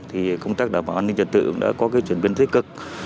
thì công tác đảm bảo an ninh trật tự đã có chuyển biến tích cực